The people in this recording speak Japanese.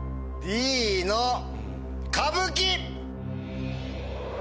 Ｄの歌舞伎！